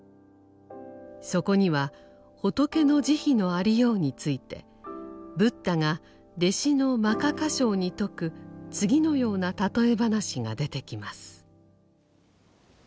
そこには仏の慈悲のありようについてブッダが弟子の摩訶迦葉に説く次のような譬え話が出てきます。